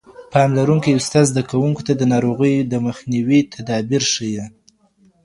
پاملرونکی استاد زده کوونکو ته د ناروغیو مخنیوي تدابیر ښيي.